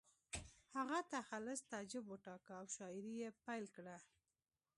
هغه تخلص تعجب وټاکه او شاعري یې پیل کړه